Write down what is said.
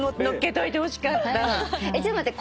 ちょっと待って。